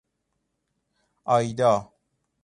ایدا